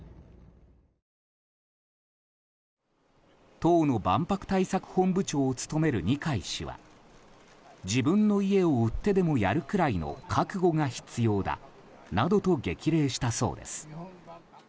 党の万博対策本部長を務める二階氏は自分の家を売ってでもやるくらいの覚悟が必要だなどと激励したそうです。